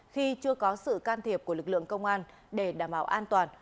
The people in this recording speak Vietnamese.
khi chưa có sự can thiệp của lực lượng công an để đảm bảo an toàn